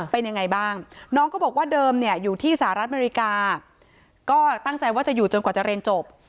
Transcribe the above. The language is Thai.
เป็นยังไงบ้างน้องก็บอกว่าเดิมเนี่ยอยู่ที่สหรัฐอเมริกาก็ตั้งใจว่าจะอยู่จนกว่าจะเรียนจบ